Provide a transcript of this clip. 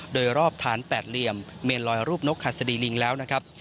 โดยรอบฐานแปดเหลี่ยมเมนลอยรูปนกหัสดีลิงแล้วนะครับ